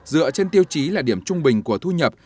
dựa trên tiêu chí là điểm trung bình của thu nhập